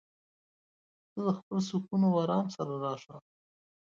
ته د خپل سکون او ارام سره راشه.